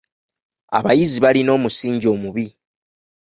Abayizi balina omusingi omubi.